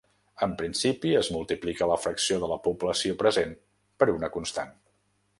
En principi, es multiplica la fracció de la població present per una constant.